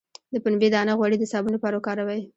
د پنبې دانه غوړي د صابون لپاره وکاروئ